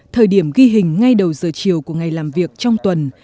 thời điểm ghi hình ngay đầu giờ chiều của ngày làm việc trong tuần